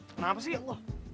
kenapa sih ya allah